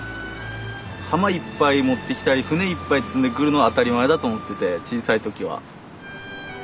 浜いっぱい持ってきたり船いっぱい積んでくるのは当たり前だと思ってて小さい時は。